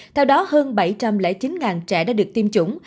theo đó hơn bảy trăm linh chín trẻ đã được tiêm chủng